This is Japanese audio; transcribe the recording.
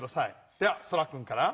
ではそらくんから。